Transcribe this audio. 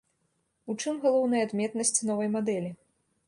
У чым галоўная адметнасць новай мадэлі?